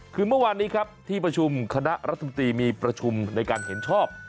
คือเมื่อวานนี้ครับที่ประชุมคณะรัฐมนตรีมีประชุมในการเห็นชอบ